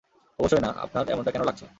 অবশ্যই না, আপনার এমনটা কেন লাগছে?